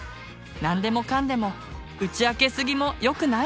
何でもかんでも打ち明けすぎもよくないのかな。